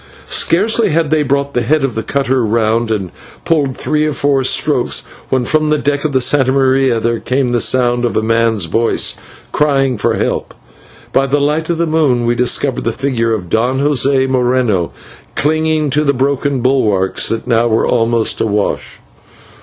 Scarcely had they brought the head of the cutter round and pulled three or four strokes, when from the deck of the /Santa Maria/ there came the sound of a man's voice crying for help, and by the light of the moon we discovered the figure of Don José Moreno clinging to the broken bulwarks, that now were almost awash.